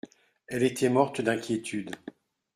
Elle était morte d’inquiétude.